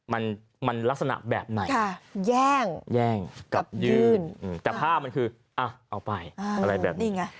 มันมันลักษณะแบบไหนค่ะแย่งแย่งกลับยืนอืมแต่ผ้ามันคืออะเอาไปอะไรแบบนี้นี่ไง